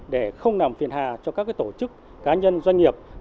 để không nằm phiền hà cho các cái tổ chức cá nhân doanh nghiệp